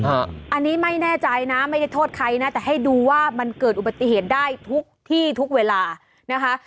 อันนี้ไม่แน่ใจนะไม่ได้โทษใครนะแต่ให้ดูว่ามันเกิดอุบัติเหตุได้ทุกที่ทุกเวลานะคะ